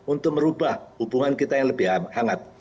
untuk merubah hubungan kita yang lebih hangat